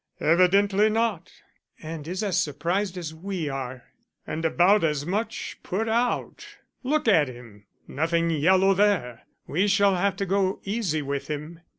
"Evidently not." "And is as surprised as we are." "And about as much put out. Look at him! Nothing yellow there! We shall have to go easy with him." Mr.